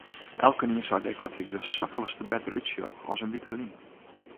Elkenien seit ek dat ik der safolleste better útsjoch as in wike lyn.